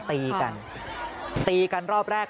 ตีกันตีกันรอบแรก